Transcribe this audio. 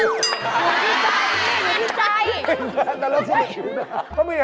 อยู่ที่ใจเกิดเกี่ยวกับเสียสุด